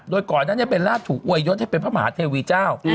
โดยก่อนนั้นเบลล่าถูกอวยยศให้เป็นพระมหาเทวีเจ้า